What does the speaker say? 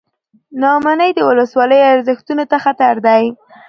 نا امني د ولسواکۍ ارزښتونو ته خطر دی.